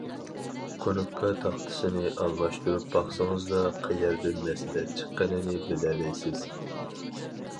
كۇنۇپكا تاختىسىنى ئالماشتۇرۇپ باقسىڭىزلا قەيەردىن مەسىلە چىققىنىنى بىلەلەيسىز.